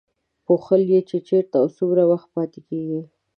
پوښتل یې چې چېرته او څومره وخت پاتې کېږي.